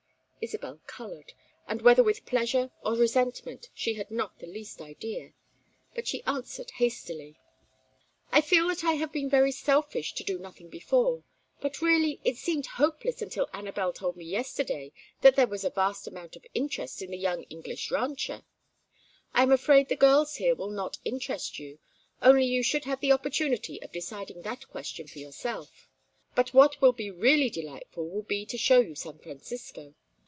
Isabel colored, and whether with pleasure or resentment, she had not the least idea. But she answered, hastily: "I feel that I have been very selfish to do nothing before. But really, it seemed hopeless until Anabel told me yesterday that there was a vast amount of interest in the young English rancher. I am afraid the girls here will not interest you; only you should have the opportunity of deciding that question for yourself. But what will be really delightful will be to show you San Francisco.